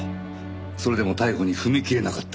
それでも逮捕に踏み切れなかった。